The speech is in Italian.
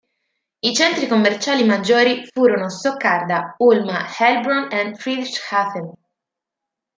I centri commerciali maggiori furono Stoccarda, Ulma, Heilbronn e Friedrichshafen.